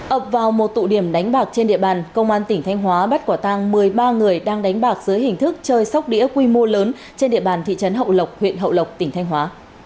ập vào một tụ điểm đánh bạc trên địa bàn công an tỉnh thanh hóa bắt quả tang một mươi ba người đang đánh bạc dưới hình thức chơi sóc đĩa quy mô lớn trên địa bàn thị trấn hậu lộc huyện hậu lộc tỉnh thanh hóa